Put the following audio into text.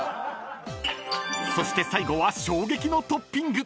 ［そして最後は衝撃のトッピング！］